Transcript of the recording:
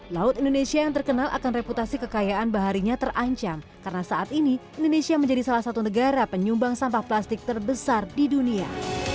laut indonesia yang terkenal akan reputasi kekayaan baharinya terancam karena saat ini indonesia menjadi salah satu negara penyumbang sampah plastik terbesar di dunia